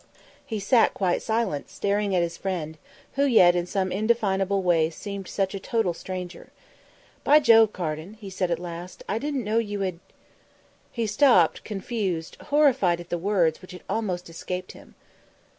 He sat quite silent, staring at his friend, who yet in some indefinable way seemed such a total stranger. "By Jove, Carden," he said at last, "I didn't know you had " He stopped, confused, horrified at the words which had almost escaped him.